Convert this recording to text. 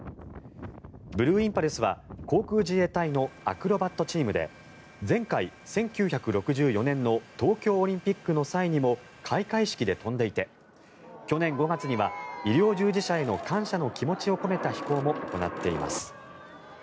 ブルーインパルスは航空自衛隊のアクロバットチームで前回、１９６４年の東京オリンピックの際にも開会式で飛んでいて去年５月には医療従事者への感謝の気持ちを込めた飛行も行っています。